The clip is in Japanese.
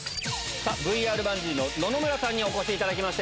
さあ、ＶＲバンジーの野々村さんにお越しいただきました。